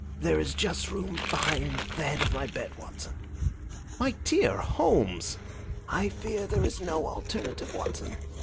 There is just room behind the head of my bed, Watson." "My dear Holmes!" "I fear there is no alternative, Watson.